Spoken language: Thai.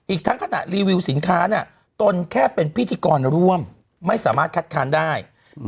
อีกทั้งขณะรีวิวสินค้าตนแค่เป็นพิธีกรร่วมไม่สามารถคัดค้านได้